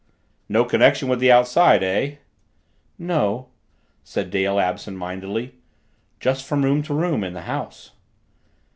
"No connection with the outside, eh?" "No," said Dale absent mindedly. "Just from room to room in the house."